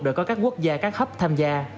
đã có các quốc gia các hub tham gia